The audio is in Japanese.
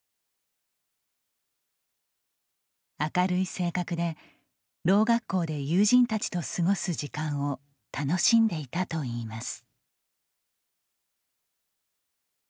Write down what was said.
明るい性格で、ろう学校で友人たちと過ごす時間を楽しんでいたといいます。